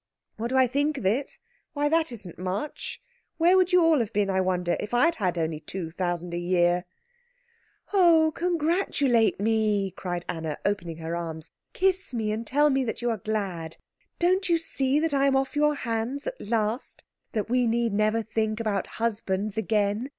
"What do I think of it? Why, that it isn't much. Where would you all have been, I wonder, if I had only had two thousand a year?" "Oh, congratulate me!" cried Anna, opening her arms. "Kiss me, and tell me you are glad! Don't you see that I am off your hands at last? That we need never think about husbands again?